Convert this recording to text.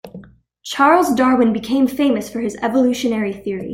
Charles Darwin became famous for his evolutionary theory.